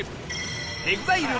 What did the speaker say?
ＥＸＩＬＥ